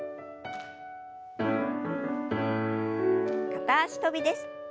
片脚跳びです。